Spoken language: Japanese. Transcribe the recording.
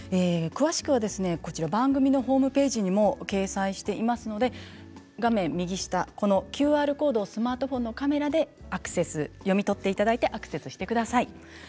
詳しくは番組のホームページにも掲載していますので画面右下、ＱＲコードをスマートフォンのカメラで読み取ってアクセスしてください。